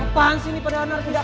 apaan sih ini pada anar tidak